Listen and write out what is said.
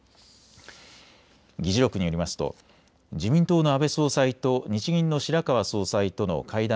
議事録によりますと自民党の安倍総裁と日銀の白川総裁との会談